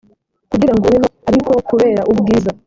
kugira ngo ubeho ariko kubera ubwiza